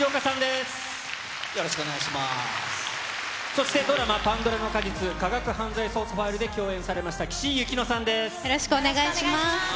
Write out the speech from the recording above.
そして、ドラマ、パンドラの果実科学犯罪捜査ファイルで共演されました、よろしくお願いします。